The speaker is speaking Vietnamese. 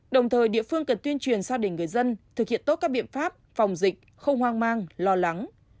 đồng thời địa phương cần tuyên truyền gia đình người dân thực hiện tốt các biện pháp phòng dịch không hoang mang lo lắng